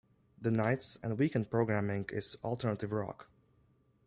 The nights and weekend programming is alternative rock.